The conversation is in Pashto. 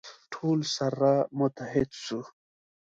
ټول سره متحد سو.